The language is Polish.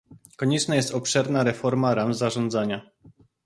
Konieczna jest obszerna reforma ram zarządzania